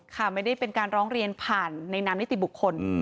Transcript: ไม่ได้เป็นการร้องเรียนผ่านในนามนิติบุคคล